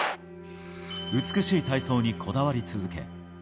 美しい体操にこだわり続け